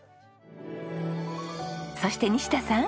そして西田さん。